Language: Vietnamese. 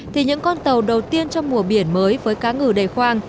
thì những con tàu đầu tiên trong mùa biển mới với cá ngừ đề khoang